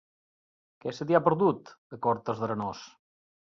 Què se t'hi ha perdut, a Cortes d'Arenós?